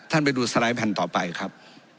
ไปดูสไลด์แผ่นต่อไปครับ